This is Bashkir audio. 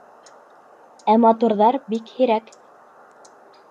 Ә матурҙар бик һирәк.